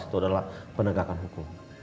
itu adalah penegakan hukum